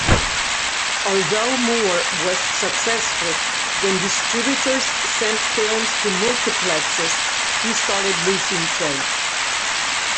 Although Moore was successful, when distributors sent films to multiplexes, he started losing trade.